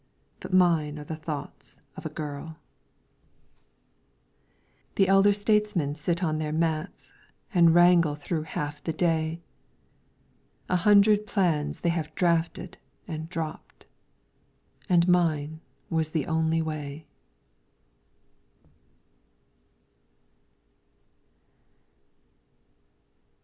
But mine are the thoughts of a girl. 24 LYRICS FROM THE CHINESE The Elder Statesmen sit on the mats, And wrangle through half the day ; A hundred plans they have drafted and dropped, And mine was the only way.